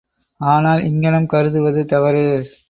ஆனால், இங்ஙணம் கருதுவது தவறு.